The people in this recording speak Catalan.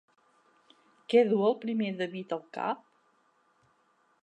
Què du el primer David al cap?